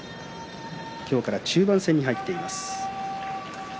今日から中盤戦に入っています。